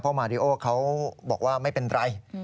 มาริโอเขาบอกว่าไม่เป็นไร